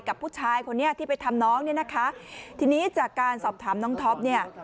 กับผู้ชายคนนี้ที่ไปทำน้องเนี่ยนะคะทีนี้จากการสอบถามน้องท็อปเนี่ย